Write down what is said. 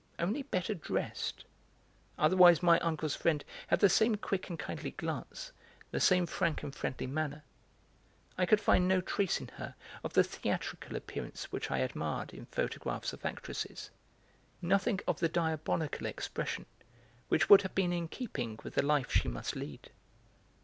Only better dressed; otherwise my uncle's friend had the same quick and kindly glance, the same frank and friendly manner. I could find no trace in her of the theatrical appearance which I admired in photographs of actresses, nothing of the diabolical expression which would have been in keeping with the life she must lead.